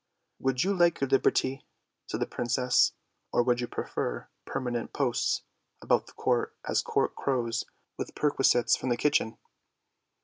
" Would you like your liberty? " said the Princess, " or would you prefer permanent posts about the court as court crows with perquisites from the kitchen?